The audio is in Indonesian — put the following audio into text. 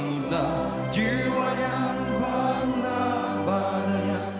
indonesia raya merdeka merdeka